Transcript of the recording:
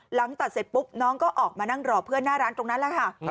หลังตัดเสร็จปุ๊บน้องก็ออกมานั่งรอเพื่อนหน้าร้านตรงนั้นแหละค่ะ